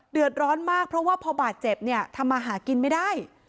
เดือดร้อนมากเพราะว่าพอบาดเจ็บเนี่ยทำมาหากินไม่ได้